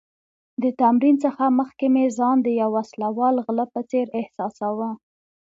د تمرین څخه مخکې مې ځان د یو وسله وال غله په څېر احساساوه.